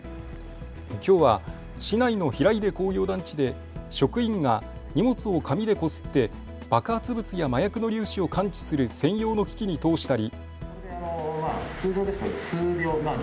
きょうは市内の平出工業団地で職員が荷物を紙でこすって爆発物や麻薬の粒子を感知する専用の機器に通したり。